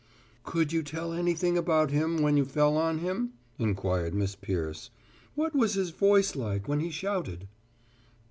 "Could you tell anything about him when you fell on him?" inquired Miss Peirce. "What was his voice like when he shouted?"